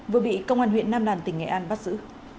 vừa bị công an huyện nam đàn tỉnh nghệ an bắt giữ